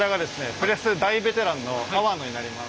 プレス大ベテランの粟野になります。